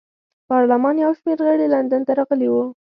پارلمان یو شمېر غړي لندن ته راغلي وو.